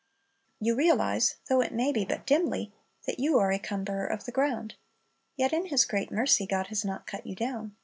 You realize, though it may be but dimly, that you are a cumberer of the ground. Yet in His great mercy God has not cut you down.